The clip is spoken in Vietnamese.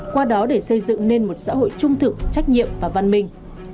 qua đó để xây dựng nên một xã hội trung thực trách nhiệm và văn minh